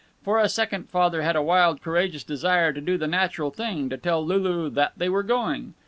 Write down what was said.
For a second Father had a wild, courageous desire to do the natural thing, to tell Lulu that they were going.